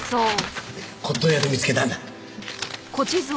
骨董屋で見つけたんだ。